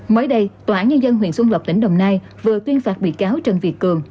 mới đây tòa án nhân dân huyện xuân lộc tỉnh đồng nai vừa tuyên phạt bị cáo trần việt cường